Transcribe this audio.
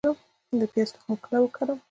د پیاز تخم کله وکرم؟